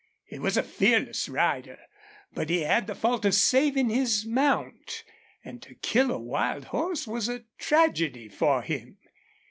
He was a fearless rider, but he had the fault of saving his mount, and to kill a wild horse was a tragedy for him.